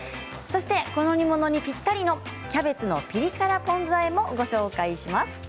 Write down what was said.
そしてこの煮物にぴったりのキャベツのピリ辛ポン酢あえもご紹介します。